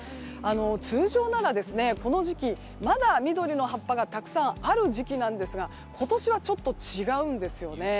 通常なら、この時期まだ緑の葉っぱがたくさんある時期なんですが今年は違うんですよね。